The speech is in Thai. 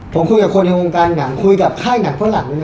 ผมคุยกับคนในวงการหนังคุยกับค่ายหนังฝรั่ง